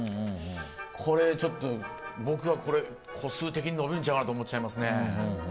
これちょっと、僕は個数的に伸びるんちゃうかなと思っちゃいますね。